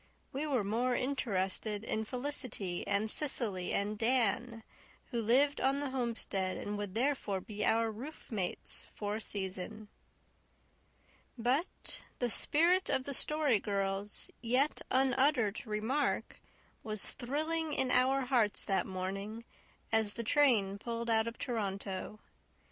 We were more interested in Felicity and Cecily and Dan, who lived on the homestead and would therefore be our roofmates for a season. But the spirit of the Story Girl's yet unuttered remark was thrilling in our hearts that morning, as the train pulled out of Toronto.